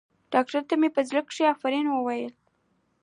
ډاکتر ته مې په زړه کښې افرين ووايه.